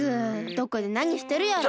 どこでなにしてるやら。